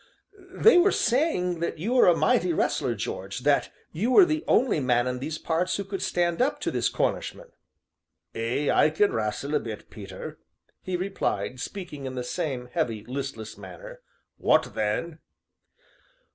"They were saying that you were a mighty wrestler, George, that you were the only man in these parts who could stand up to this Cornishman." "Ay, I can wrastle a bit, Peter," he replied, speaking in the same heavy, listless manner; "what then?"